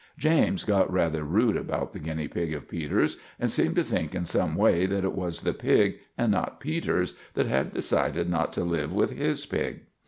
James got rather rude about the guinea pig of Peters, and seemed to think in some way that it was the pig, and not Peters, that had decided not to live with his pig.